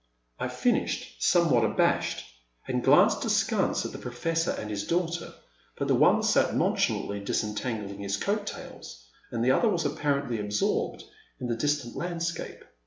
I finished, somewhat abashed, and glanced askance at the Professor and his daughter, but the one sat nonchalantly disentangling his coat tails, and the other was apparently absorbed in the distant landscape.